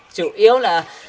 chủ yếu là